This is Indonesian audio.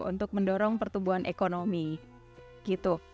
untuk mendorong pertumbuhan ekonomi gitu